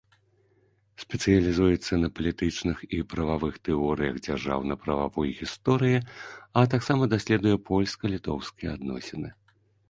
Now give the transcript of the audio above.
Спецыялізуецца на палітычных і прававых тэорыях дзяржаўна-прававой гісторыі, а таксама даследуе польска-літоўскія адносіны.